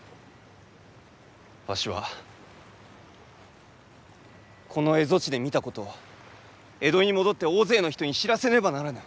わしはこの蝦夷地で見たことを江戸に戻って大勢の人に知らせねばならぬ。